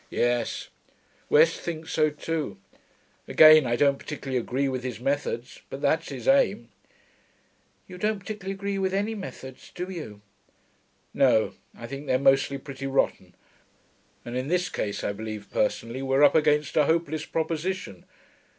'Yes, West thinks so too. Again, I don't particularly agree with his methods, but that's his aim.' 'You don't particularly agree with any methods, do you?' 'No; I think they're mostly pretty rotten. And in this case I believe, personally, we're up against a hopeless proposition.